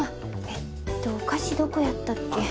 えっとお菓子どこやったっけ。